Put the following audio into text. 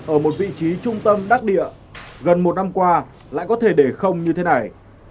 ở một vị trí trung tâm đắc địa gần một năm qua lại có thể để không như thế này